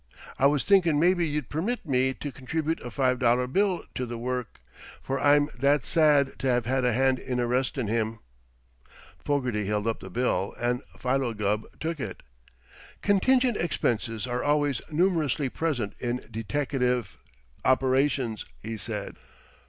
I was thinkin' maybe ye'd permit me t' contribute a five dollar bill t' th' wurrk, for I'm that sad t' have had a hand in arristin' him." Fogarty held up the bill and Philo Gubb took it. "Contingent expenses are always numerously present in deteckative operations," he said.